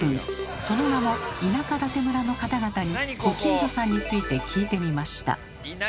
その名も「田舎館村」の方々にご近所さんについて聞いてみました。